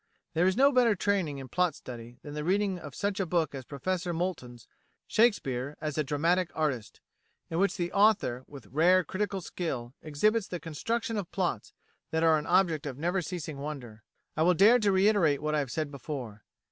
There is no better training in plot study than the reading of such a book as Professor Moulton's "Shakespeare as a Dramatic Artist," in which the author, with rare critical skill, exhibits the construction of plots that are an object of never ceasing wonder. I will dare to reiterate what I have said before.